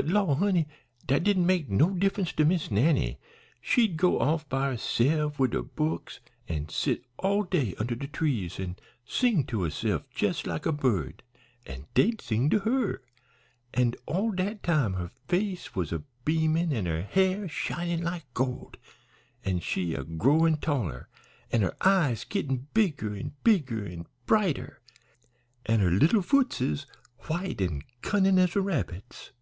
But law, honey, dat didn't make no diff'ence to Miss Nannie. She'd go off by herse'f wid her books an' sit all day under de trees, an' sing to herse'f jes' like a bird, an' dey'd sing to her, an' all dat time her face was a beamin' an' her hair shinin' like gold, an' she a growin' taller, an' her eyes gittin' bigger an' bigger, an' brighter, an' her little footses white an' cunnin' as a rabbit's.